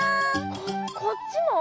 ここっちも？